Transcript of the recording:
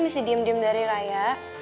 mesti diem diem dari raya